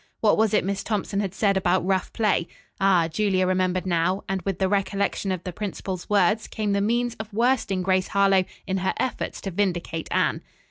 What was it Miss Thompson had said about rough play? Ah, Julia remembered now, and with the recollection of the principal's words came the means of worsting Grace Harlowe in her efforts to vindicate Anne.